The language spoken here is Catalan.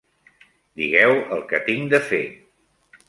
-Digueu el que tinc de fer.